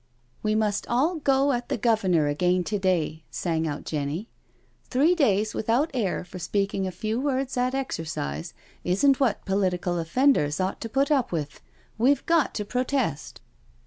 We must all go at the Governor again to day, sang out Jenny. " Three days without air for speak ing a few words at exercise isn't what political offenders ought to put up with — we've got to protest."